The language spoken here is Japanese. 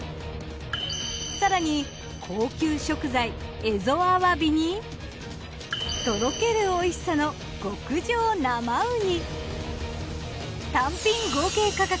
更に高級食材えぞあわびにとろけるおいしさの極上生ウニ。